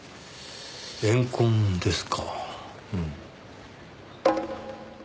怨恨ですか。